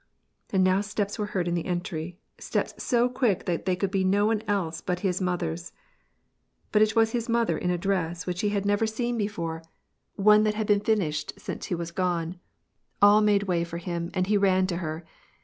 And now steps were heard in the entry — steps so quick that they could be no one else but his mother's. But it was his mother in a dress which he had never seen * A kind of fastian. 4 WAR AND PEACE, before, one that had been finished since he was gone. All made way for him, and he ran to her.